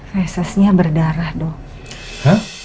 fesasnya berdarah dong